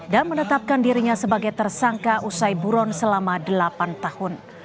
dan menetapkan dirinya sebagai tersangka usai buron selama delapan tahun